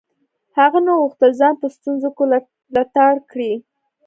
هغه نه غوښتل ځان په ستونزو کې لتاړ کړي.